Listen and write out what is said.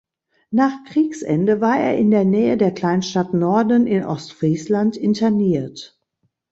Nach Kriegsende war er in der Nähe der Kleinstadt Norden in Ostfriesland interniert.